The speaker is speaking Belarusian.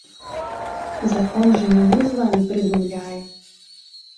Закон жа не мы з вамі прыдумляем.